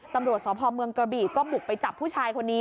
ตำรวจสพเมืองกระบีก็บุกไปจับผู้ชายคนนี้